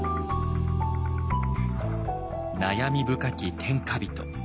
悩み深き天下人。